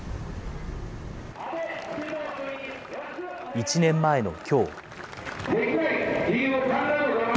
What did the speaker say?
１年前のきょう。